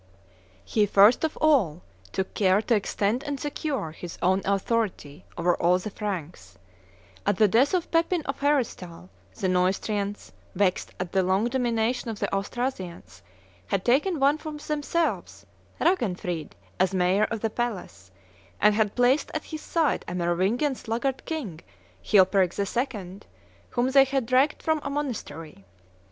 He first of all took care to extend and secure his own authority over all the Franks. At the death of Pepin of Heristal, the Neustrians, vexed at the long domination of the Austrasians, had taken one of themselves, Ragenfried, as mayor of the palace, and had placed at his side a Merovingian sluggard king, Chilperic II., whom they had dragged from a monastery.